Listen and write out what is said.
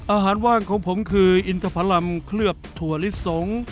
อาหารว่างของผมคืออินทพรรมเคลือบถั่วลิสง